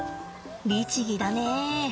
律儀だね。